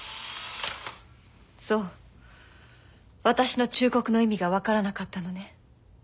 私の忠告の意味が分からなかったのね。